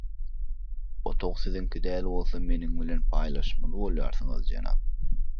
Otag siziňki däl bolsa meniň bilen paýlaşmaly bolýarsyňyz jenap